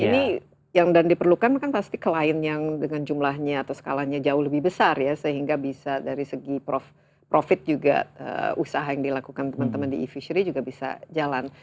ini yang dan diperlukan kan pasti klien yang dengan jumlahnya atau skalanya jauh lebih besar ya sehingga bisa dari segi profit juga usaha yang dilakukan teman teman di e fishery juga bisa jalan